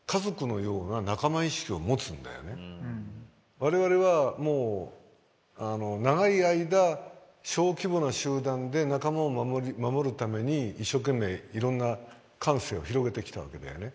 我々はもう長い間小規模な集団で仲間を守るために一生懸命いろんな感性を広げてきたわけだよね。